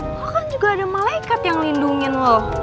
lo kan juga ada malaikat yang lindungin lo